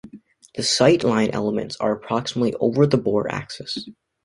The sight line elements are approximately over the bore axis.